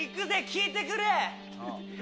聞いてくれ。